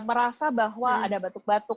merasa bahwa ada batuk batuk